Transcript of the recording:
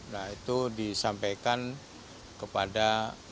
nah itu disampaikan kepada